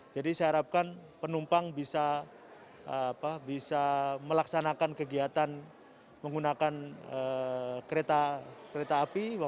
jadi saya harapkan penumpang bisa melaksanakan kegiatan menggunakan kereta api